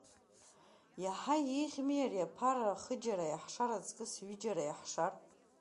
Иаҳа иеиӷьми, ари аԥара хыџьара иаҳшар аҵкыс, ҩыџьара иаҳшар.